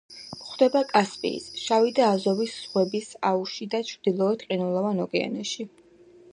გვხვდება კასპიის, შავი და აზოვის ზღვების აუზში და ჩრდილოეთ ყინულოვან ოკეანეში.